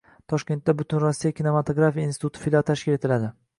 Toshkentda Butunrossiya kinematografiya instituti filiali tashkil etiladi